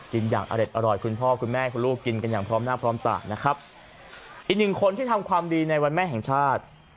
กินอย่างอร่อยคุณพ่อคุณแม่คุณลูกกินกันอย่างพร้อมหน้าพร้อมตานะครับอีกหนึ่งคนที่ทำความดีในวันแม่แห่งชาติ